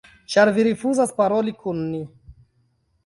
ĉar vi rifuzas paroli kun ni